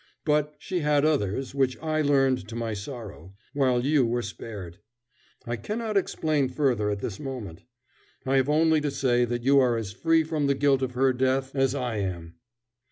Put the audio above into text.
But she had others, which I learnt to my sorrow, while you were spared. I cannot explain further at this moment. I have only to say that you are as free from the guilt of her death as I am!"